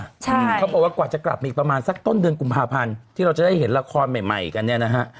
ใช่เขาบอกว่ากว่าจะกลับมาอีกประมาณสักต้นเดือนกุมภาพันธ์ที่เราจะได้เห็นละครใหม่ใหม่กันเนี่ยนะฮะ